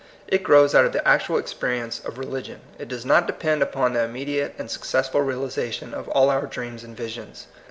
It grows out of the actual experience of re ligion. It does not depend upon the imme diate and successful realization of all our dreams and visions.